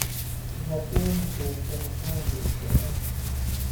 He had been to see us several times altogether.